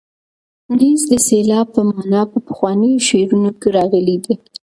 نیز د سیلاب په مانا په پخوانیو شعرونو کې راغلی دی.